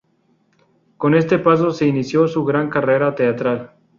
Con este paso se inició su gran carrera teatral.